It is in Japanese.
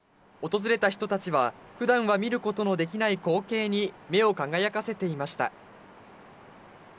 訪れた人たちはふだんは見ることのできない光景に目を輝かせていました。